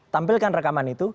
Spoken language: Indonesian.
tampilkan rekaman itu